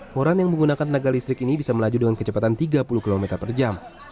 moran yang menggunakan tenaga listrik ini bisa melaju dengan kecepatan tiga puluh km per jam